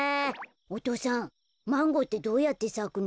お父さんマンゴーってどうやってさくの？